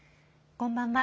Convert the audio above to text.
こんばんは。